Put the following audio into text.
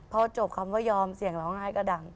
พอจบคำว่ายอมเสียงร้องไห้ก็ดัง